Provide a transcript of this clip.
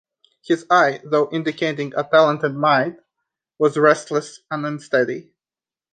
His eye, though indicating a talented mind, was restless and unsteady.